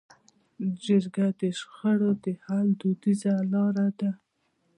جرګه د شخړو د حل دودیزه لاره ده.